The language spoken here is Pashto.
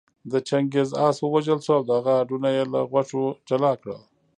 د چنګېز آس ووژل شو او د هغه هډونه يې له غوښو جلا کړل